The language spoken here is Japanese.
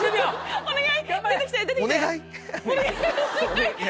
お願い。